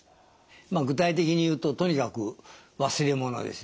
まあ具体的に言うととにかく忘れ物ですね。